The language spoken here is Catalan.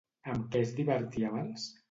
Amb què es divertia abans?